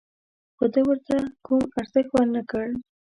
خو ده ورته کوم ارزښت ور نه کړ.